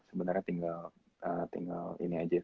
sebenernya tinggal ini aja